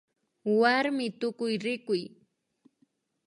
Warmi Tukuyrikuy